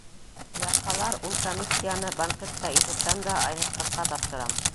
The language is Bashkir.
Япһалар, ул комиссияны... банкетта иҫертәм дә айнытҡысҡа тапшырам!